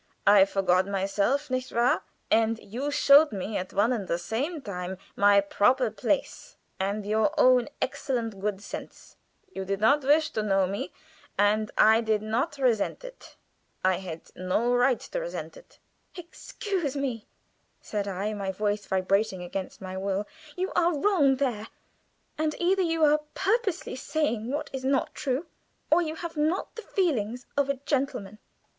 I forgot myself, nicht wahr! and you showed me at one and the same time my proper place and your own excellent good sense. You did not wish to know me, and I did not resent it. I had no right to resent it." "Excuse me," said I, my voice vibrating against my will; "you are wrong there, and either you are purposely saying what is not true, or you have not the feelings of a gentleman."